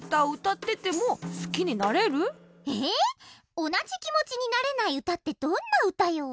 おなじきもちになれないうたってどんなうたよ？